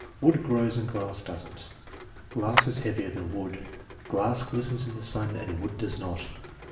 "Wood grows and glass does n't." "Glass is heavier than wood." "Glass glistens in the sun and wood does not."